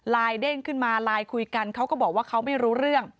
เด้งขึ้นมาไลน์คุยกันเขาก็บอกว่าเขาไม่รู้เรื่อง